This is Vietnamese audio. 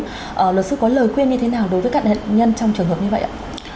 vâng luật sư có lời khuyên như thế nào đối với các nạn nhân trong trường hợp như vậy ạ